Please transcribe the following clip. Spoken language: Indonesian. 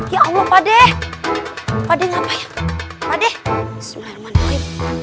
ya allah pade pade ngapain pade pade